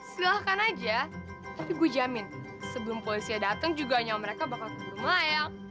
silahkan aja tapi gue jamin sebelum polisi dateng juga nyawa mereka bakal keburu mayang